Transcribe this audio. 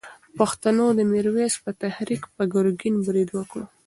پښتنو د میرویس په تحریک پر ګرګین برید وکړ.